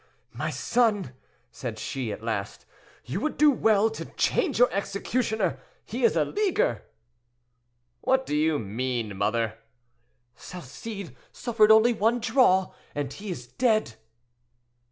"My son," said she, at last, "you would do well to change your executioner; he is a leaguer." "What do you mean, mother?" "Salcede suffered only one draw, and he is dead."